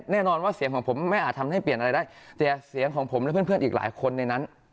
แน่นอนว่าเสียงของผมไม่อาจทำให้เปลี่ยนอะไรได้แต่เสียงของผมและเพื่อนอีกหลายคนในนั้น